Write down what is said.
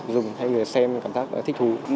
dùng hay người xem cảm giác thích thú